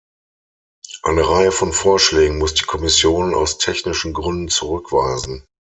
Eine Reihe von Vorschlägen muss die Kommission aus technischen Gründen zurückweisen.